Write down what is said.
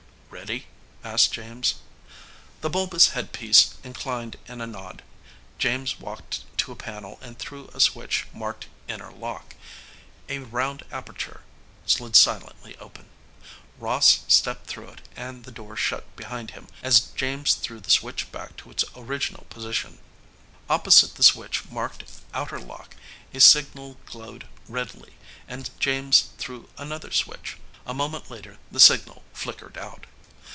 "Ready?" asked James. The bulbous headpiece inclined in a nod. James walked to a panel and threw a switch marked INNER LOCK. A round aperture slid silently open. Ross stepped through it and the door shut behind him as James threw the switch back to its original position. Opposite the switch marked OUTER LOCK a signal glowed redly and James threw another switch. A moment later the signal flickered out.